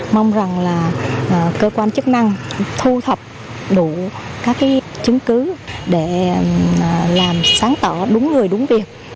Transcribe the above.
mong rằng là cơ quan chức năng thu thập đủ các chứng cứ để làm sáng tỏ đúng người đúng việc